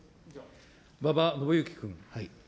馬場伸幸君。